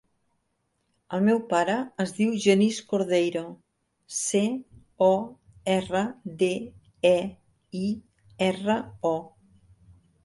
El meu pare es diu Genís Cordeiro: ce, o, erra, de, e, i, erra, o.